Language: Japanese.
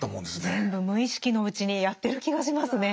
全部無意識のうちにやってる気がしますね。